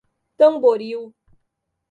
Tamboril